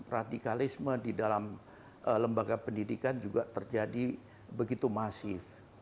radikalisme di dalam lembaga pendidikan juga terjadi begitu masif